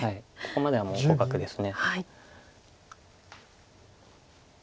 ここまではもう互角です。